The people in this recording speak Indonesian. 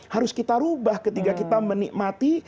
harus kita rubah ketika kita menikmati